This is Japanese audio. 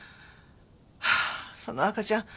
はあその赤ちゃん